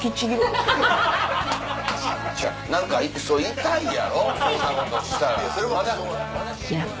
何かそれ痛いやろそんなことしたら。